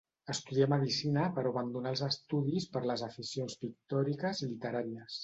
Estudià medicina però abandonà els estudis per les aficions pictòriques i literàries.